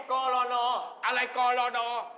กรรณออะไรกรรณอ